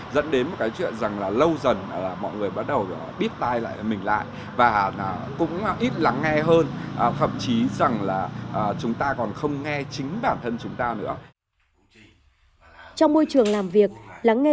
dẫn đến một cái chuyện rằng là lâu dần mọi người bắt đầu biết tai lại mình lại và cũng ít lắng nghe hơn